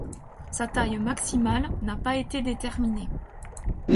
Sa taille maximale n’a pas été déterminée.